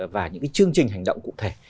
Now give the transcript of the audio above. và những cái chương trình hành động cụ thể